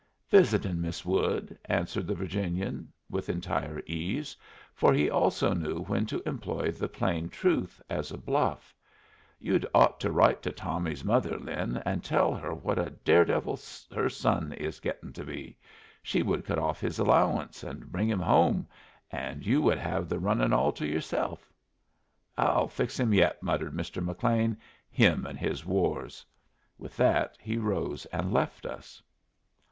"Visitin' Miss Wood," answered the Virginian, with entire ease. For he also knew when to employ the plain truth as a bluff. "You'd ought to write to Tommy's mother, Lin, and tell her what a dare devil her son is gettin' to be. She would cut off his allowance and bring him home, and you would have the runnin' all to yourself." "I'll fix him yet," muttered Mr. McLean. "Him and his wars." With that he rose and left us.